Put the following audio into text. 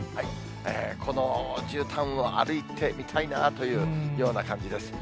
このじゅうたんを歩いてみたいなというような感じです。